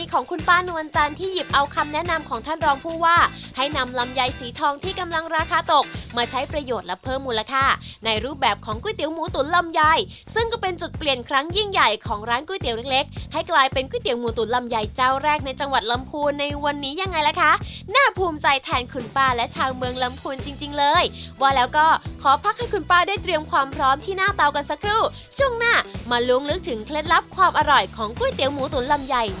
ของร้านก๋วยเตี๋ยวเล็กเล็กให้กลายเป็นก๋วยเตี๋ยวหมูตุ๋นลำใหญ่เจ้าแรกในจังหวัดลำพูนในวันนี้ยังไงล่ะค่ะน่าภูมิใส่แทนคุณป้าและชาวเมืองลำพูนจริงจริงเลยว่าแล้วก็ขอพักให้คุณป้าได้เตรียมความพร้อมที่หน้าเตากันสักครู่ช่วงหน้ามาลุ้งลึกถึงเคล็ดลับความอร